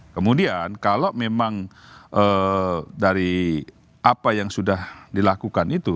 kemudian kalau memang dari apa yang sudah dilakukan itu